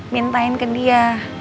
mintain ke dia